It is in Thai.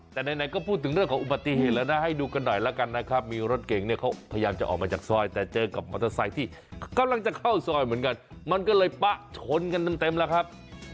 แต่ไหนก็พูดถึงเรื่องของอุบัติเหตุแล้วนะให้ดูกันหน่อยแล้วกันนะครับมีรถเก่งเนี่ยเขาพยายามจะออกมาจากซอยแต่เจอกับมอเตอร์ไซค์ที่กำลังจะเข้าซอยเหมือนกันมันก็เลยปะชนกันเต็มแล้วครับ